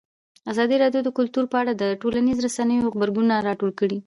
ازادي راډیو د کلتور په اړه د ټولنیزو رسنیو غبرګونونه راټول کړي.